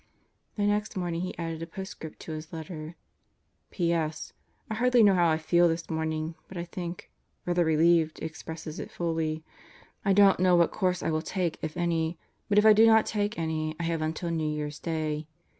The next morning he added a postscript to his letter. P.S. I hardly know how I feel this morning, but I think: "Rather relieved," expresses it fully. I don't know what course I will take, if any; but if I do not take any I have until New Year's Day.